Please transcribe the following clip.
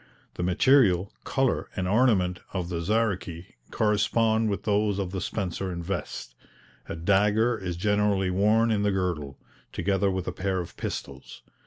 The material, colour and ornament of the Zaruchi correspond with those of the spencer and vest. A dagger is generally worn in the girdle, together with a pair of pistols.